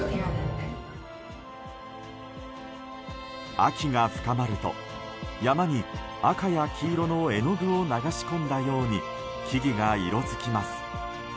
秋が深まると山に赤や黄色の絵の具を流し込んだように木々が色づきます。